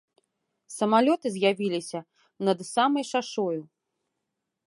Самалёты з'явіліся над самай шашою.